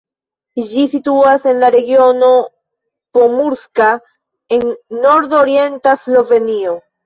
Ĝi situas en la regiono Pomurska en nordorienta Slovenio.